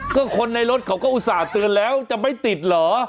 ก็คนในรถเขาก็อุตส่าห์เตือนแล้วจะไม่ติดเหรอ